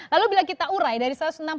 lalu bila kita urai dari satu ratus enam puluh